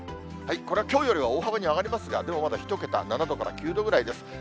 これはきょうよりは大幅に上がりますが、でもまだ１桁、７度から９度ぐらいです。